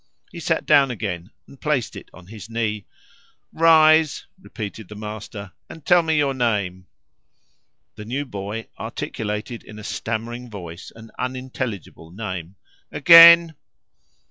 He sat down again and placed it on his knee. "Rise," repeated the master, "and tell me your name." The new boy articulated in a stammering voice an unintelligible name. "Again!"